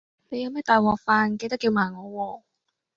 你有咩大鑊飯記得叫埋我喎